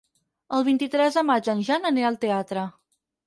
El vint-i-tres de maig en Jan anirà al teatre.